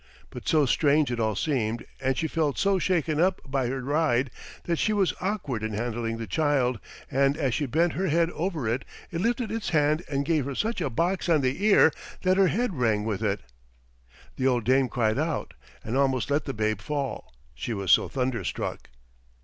But so strange it all seemed, and she felt so shaken up by her ride that she was awkward in handling the child, and as she bent her head over it, it lifted its hand and gave her such a box on the ear that her head rang with it. The old dame cried out and almost let the babe fall, she was so thunderstruck.